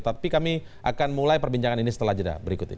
tapi kami akan mulai perbincangan ini setelah jeda berikut ini